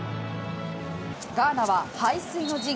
ガーナは背水の陣。